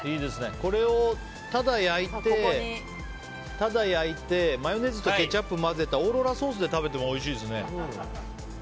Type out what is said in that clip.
これをただ焼いてマヨネーズとケチャップをかけたオーロラソースで食べてもおいしいですね。